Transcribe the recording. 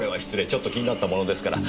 ちょっと気になったものですから。